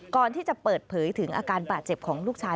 ก่อนที่จะเปิดเผยถึงอาการบาดเจ็บของลูกชาย